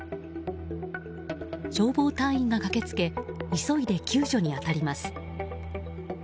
消防隊員が駆けつけ急いで救助に当たります。